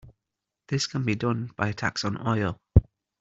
This can be done by a tax on oil.